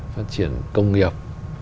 phát triển công nghiệp